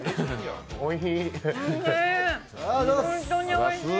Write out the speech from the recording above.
おいしい。